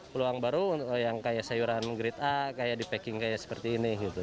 peluang baru yang kayak sayuran menggrid a kayak di packing kayak seperti ini gitu